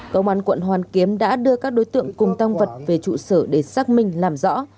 công an quận hoàn kiếm đã đưa các đối tượng cùng tăng vật về trụ sở để xác minh làm rõ